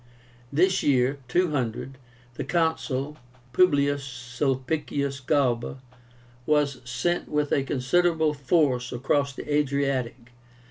This year (200) the Consul, Publius Sulpicius Galba, was sent with a considerable force across the Adriatic.